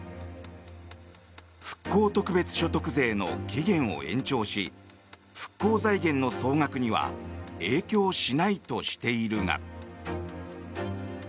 復興特別所得税の期限を延長し復興財源の総額には影響しないとしているが。